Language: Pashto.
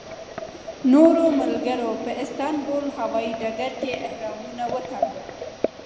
نورو ملګرو په استانبول هوایي ډګر کې احرامونه وتړل.